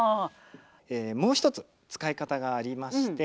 もう一つ使い方がありまして